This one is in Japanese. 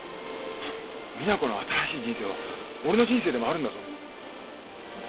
実那子の新しい人生は俺の人生でもあるんだぞ。